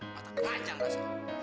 mata lu panjang rasa